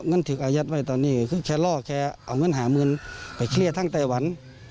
เงินถือกอายัดไปตอนนี้คืองั้นแค่ล่อแค่เอาเงินหามืนไปเคลียร์ทางไตรวัน